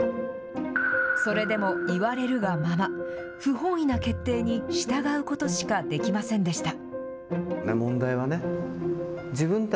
それでも言われるがまま、不本意な決定に従うことしかできませんでした。